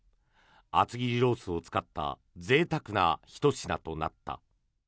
厚切りロースを使ったぜいたくなひと品となった。